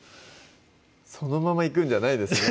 そのままいくんじゃないですね